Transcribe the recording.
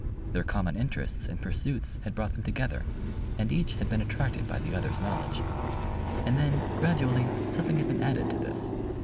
Their common interests and pursuits had brought them together, and each had been attracted by the other's knowledge. And then gradually something had been added to this.